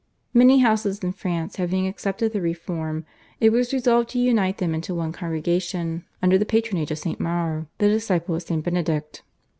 Many houses in France having accepted the reform, it was resolved to unite them into one congregation under the patronage of St. Maur, the disciple of St. Benedict.